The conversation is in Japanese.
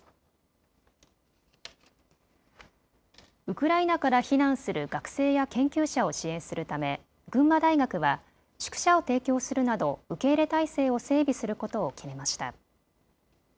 ウクライナから避難する学生や研究者を支援するため群馬大学は宿舎を提供するなど受け入れ体制を整備することを決めました。